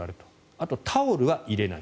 あとはタオルは入れない。